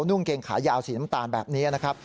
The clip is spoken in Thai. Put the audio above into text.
่งเกงขายาวสีน้ำตาลแบบนี้นะครับ